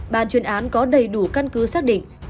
bàn chuyên án có đầy đủ căn cứ xác định